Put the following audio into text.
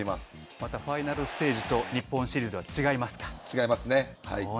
またファイナルステージと日本シリーズは、違いますか。